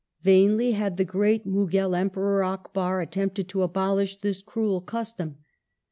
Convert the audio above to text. Vainly had the great Mughal Emperor Akbar attempted to abolish this cruel custom.